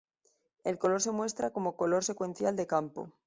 El color se muestra como "color secuencial de campo".